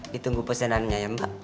ditunggu pesenannya ya mbak